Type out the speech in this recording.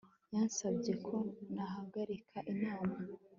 yansabye ko nahagarika inama